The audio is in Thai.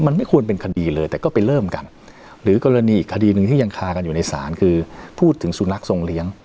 มันไม่ควรเป็นคดีเลยแต่ก็ไปเริ่มกันหรือกรณีอีกคดีหนึ่งที่ยังคากันอยู่ในศาลคือพูดถึงสุนัขทรงเลี้ยง